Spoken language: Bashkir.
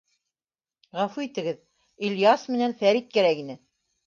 — Ғәфү итегеҙ, Ильяс менән Фәрит кәрәк ине.